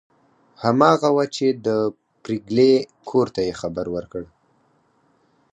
هماغه وه چې د پريګلې کور ته یې خبر ورکړ